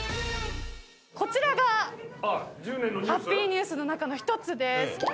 こちらがハッピーニュースの中の一つです。